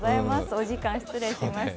お時間失礼しました。